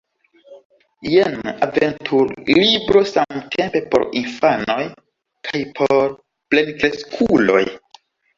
Jen aventur-libro samtempe por infanoj kaj por plenkreskuloj.